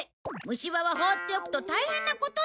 虫歯は放っておくと大変なことになる！